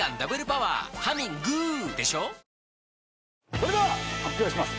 それでは発表します。